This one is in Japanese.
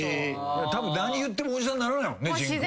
たぶん何言ってもおじさんにならないもんね陣君。